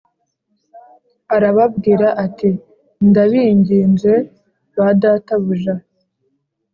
Arababwira ati “Ndabinginze ba databuja”